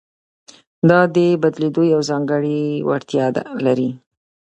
دا د بدلېدو یوه ځانګړې وړتیا لري.